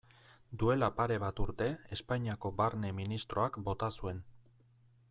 Duela pare bat urte Espainiako Barne ministroak bota zuen.